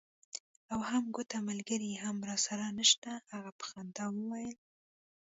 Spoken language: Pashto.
او هم کوټه ملګری هم راسره نشته. هغه په خندا وویل.